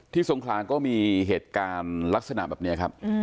ทรงคลางก็มีเหตุการณ์ลักษณะแบบนี้ครับ